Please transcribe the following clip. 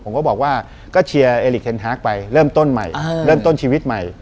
ผมก็บอกว่าก็เชียร์เอลิเทนฮาร์กไปเริ่มต้นใหม่เริ่มต้นชีวิตใหม่